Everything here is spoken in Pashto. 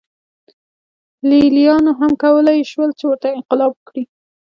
لېلیانو هم کولای شول چې ورته انقلاب وکړي.